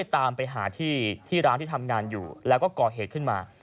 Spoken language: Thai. ตามไปหาที่ร้านที่ทำงานอยู่แล้วก็ก่อเหตุขึ้นมา